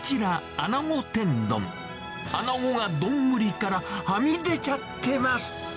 アナゴが丼からはみ出ちゃってます。